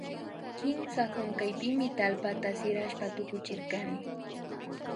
Kimsa hunkaypimi tallpata sirashpa tukuchirkani